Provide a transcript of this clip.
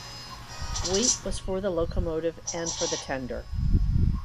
Weight was for the locomotive and for the tender.